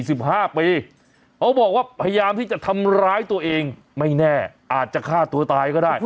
เขาบอกว่าพยายามที่จะทำร้ายตัวเองไม่แน่อาจจะฆ่าตัวตายก็ได้